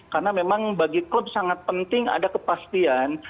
karena memang bagi klub sangat penting ada kepastian